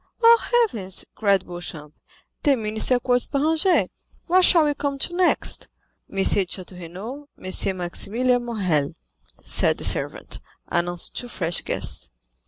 "Oh, heavens," cried Beauchamp, "the minister quotes Béranger, what shall we come to next?" "M. de Château Renaud—M. Maximilian Morrel," said the servant, announcing two fresh guests.